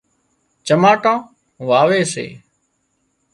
چماٽان واوي سي